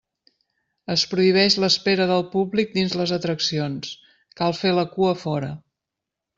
Es prohibeix l'espera del públic dins les atraccions, cal fer la cua fora.